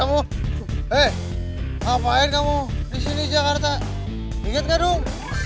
masih berekat dan rendam